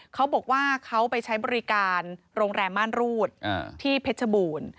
เขาบอกว่าเขาไปใช้บริการโรงแรมม่านรูดที่เพชรบูรณ์